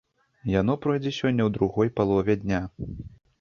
Яно пройдзе сёння ў другой палове дня.